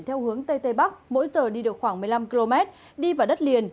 theo hướng tây tây bắc mỗi giờ đi được khoảng một mươi năm km đi vào đất liền